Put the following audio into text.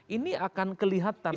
ini akan kelihatan